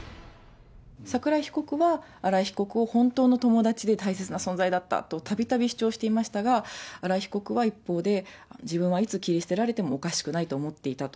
桜井被告は、新井被告を本当の友達で、大切な存在だったと、たびたび主張していましたが、新井被告は一方で、自分はいつ切り捨てられてもおかしくないと思っていたと。